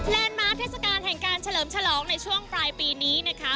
มาร์คเทศกาลแห่งการเฉลิมฉลองในช่วงปลายปีนี้นะคะ